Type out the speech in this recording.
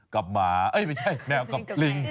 กับหมาเอ้ยไม่ใช่แมวกับลิง